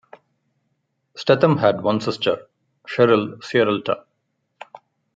Stethem had one sister, Sheryl Sierralta.